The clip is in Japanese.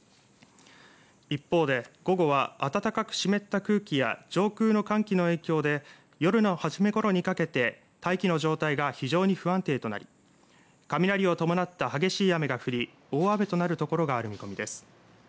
一方で午後は暖かく湿った空気や上空の寒気の影響で夜の初めごろにかけて大気の状態が非常に不安定となり雷を伴った激しい雨が降り大雨となるところがある見込みです。